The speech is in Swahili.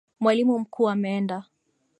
Mwalimu mkuu ameenda.